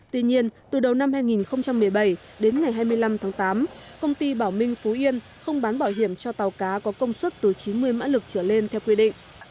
tuy nhiên từ đầu năm hai nghìn một mươi bảy đến ngày hai mươi năm tháng tám công ty bảo minh phú yên không bán bảo hiểm cho tàu cá có công suất từ chín mươi mã lực trở lên theo quy định